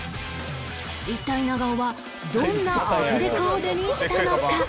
一体長尾はどんなアプデコーデにしたのか？